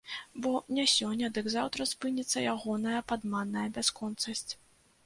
Бо не сёння дык заўтра спыніцца ягоная падманная бясконцасць.